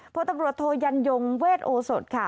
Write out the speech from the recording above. พลตำรวจโทยันยงเวทโอสดค่ะ